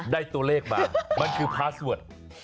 ได้ตัวเลขมามันคือพาสเวิร์ด